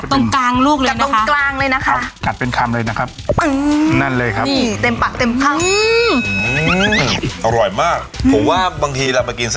มะล่าให้เข้าใจเฉาถ์จีนเลย